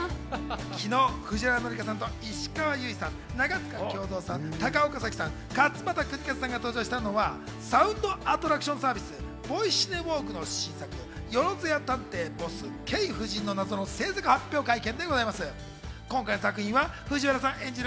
昨日、藤原紀香さんと石川由依さん、長塚京三さん、高岡早紀さん、勝俣州和さんが登場したのは、サウンドアトラクションサービス、ボイシネウォークの新作『よろずや探偵ＢＯＳＳＫ夫人の謎』の製作発表会見。